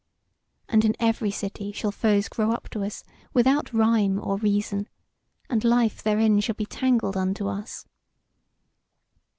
And in every city shall foes grow up to us without rhyme or reason, and life therein shall be tangled unto us."